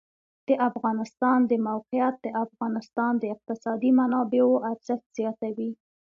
د افغانستان د موقعیت د افغانستان د اقتصادي منابعو ارزښت زیاتوي.